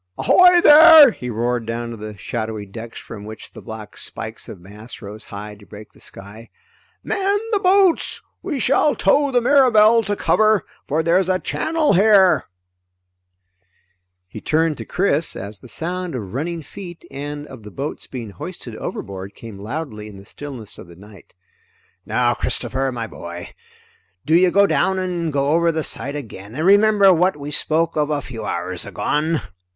Ahoy there!" he roared down to the shadowy decks from which the black spikes of masts rose high to break the sky. "Man the boats! We shall tow the Mirabelle to cover, for there's a channel here!" He turned to Chris as the sound of running feet and of the boats being hoisted overboard came loudly in the stillness of the night. "Now Christopher, my boy, do you go down and go over the side again, and remember what we spoke of a few hours agone!"